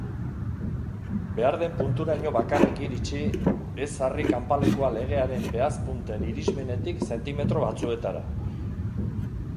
Behar den punturaino bakarrik iritsi, ezarri kanpalekua legearen behatzpunten irismenetik zentimetro batzuetara.